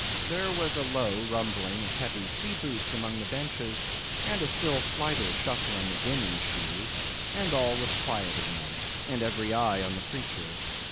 There was a low rumbling of heavy sea boots among the benches, and a still slighter shuffling of women's shoes, and all was quiet again, and every eye on the preacher.